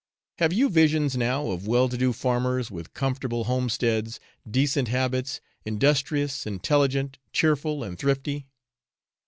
Have you visions now of well to do farmers with comfortable homesteads, decent habits, industrious, intelligent, cheerful, and thrifty?